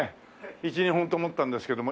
１２本と思ったんですけども。